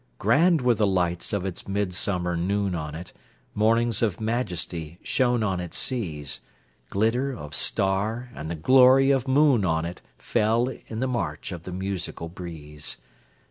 Grand were the lights of its midsummer noon on it—Mornings of majesty shone on its seas:Glitter of star and the glory of moon on itFell, in the march of the musical breeze.